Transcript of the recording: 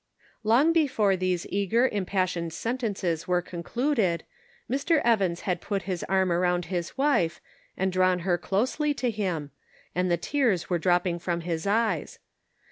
Long before these eager impassioned sen 406 The Pocket Measure. tences were concluded, Mr. Evans had put his arm around his wife, and drawn her closely to him, and the tears were dropping from his eyes.